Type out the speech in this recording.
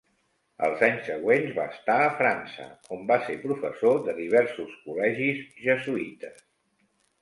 Als anys següents va estar a França, on va ser professor de diversos col·legis jesuïtes.